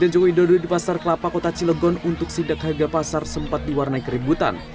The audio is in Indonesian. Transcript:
kedatangan presiden joko widodo di pasar kelapa kota cilogon untuk sidak harga pasar sempat diwarnai keributan